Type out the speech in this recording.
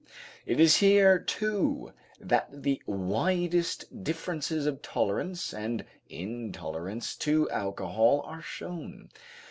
It is here, too, that the widest differences of tolerance and intolerance to alcohol are shown.